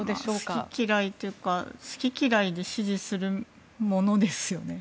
好き嫌いというか好き嫌いで支持するものですよね。